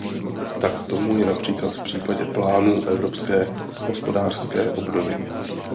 Tak tomu je například v případě plánu evropské hospodářské obnovy.